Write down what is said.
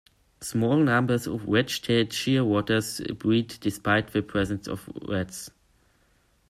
Small numbers of wedge-tailed shearwaters breed despite the presence of rats.